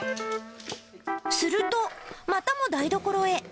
すると、またも台所へ。